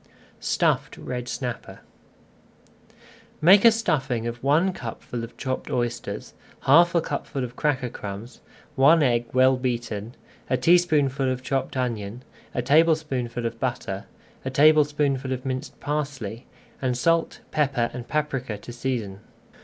STUFFED RED SNAPPER Make a stuffing of one cupful of chopped oysters, half a cupful of cracker crumbs, one egg well beaten, a teaspoonful of chopped onion, a tablespoonful of butter, a tablespoonful of minced parsley, and salt, pepper, and paprika to season.